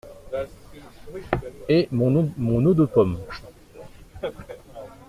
Et mon eau de pommes!